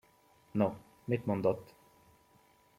No, mit mondott?